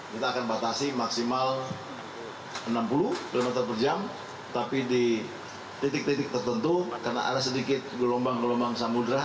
kita akan batasi maksimal enam puluh km per jam tapi di titik titik tertentu karena ada sedikit gelombang gelombang samudera